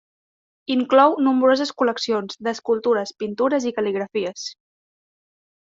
Inclou nombroses col·leccions d'escultures, pintures i cal·ligrafies.